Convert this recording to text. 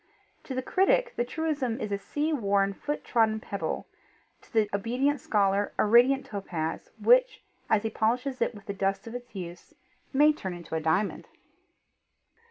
To the critic the truism is a sea worn, foot trodden pebble; to the obedient scholar, a radiant topaz, which, as he polishes it with the dust of its use, may turn into a diamond.